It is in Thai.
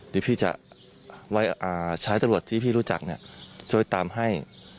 เดี๋ยวพี่จะใช้ตำรวจที่พี่รู้จักช่วยตามให้